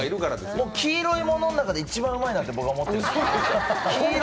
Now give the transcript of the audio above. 黄色いものの中で一番うまいと僕は思ってるんです。